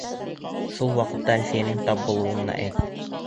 Шул ваҡытта Әлфиәнең тап булыуын әйт.